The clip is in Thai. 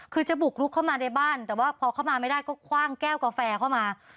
คือจะบุกลุกเข้ามาในบ้านแต่ว่าพอเข้ามาไม่ได้ก็คว่างแก้วกาแฟเข้ามา